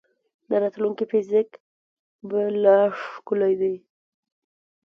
د راتلونکي فزیک به لا ښکلی دی.